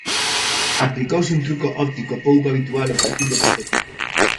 Aplicouse un "truco óptico" pouco habitual ao perfil do prototipo.